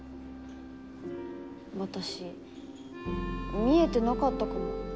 私見えてなかったかも。